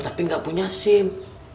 tapi gak punya sim